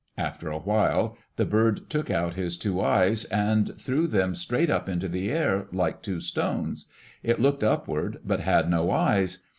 After a while the bird took out his two eyes and threw them straight up into the air, like two stones. It looked upward but had no eyes.